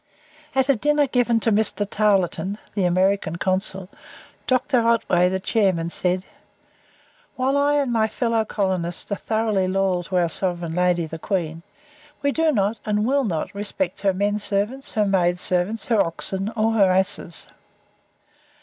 At a dinner given to Mr. Tarleton, the American Consul, Dr. Otway, the Chairman said: "While I and my fellow colonists are thoroughly loyal to our Sovereign Lady, the Queen, we do not, and will not, respect her men servants, her maid servants, her oxen, or her asses."